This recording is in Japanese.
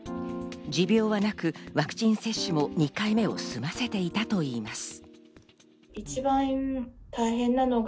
持病はなくワクチン接種も２回目を済ませていたといいます。